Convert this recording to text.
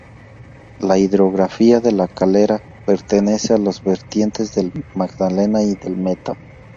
La hidrografía de La Calera pertenece a las Vertientes del Magdalena y del Meta.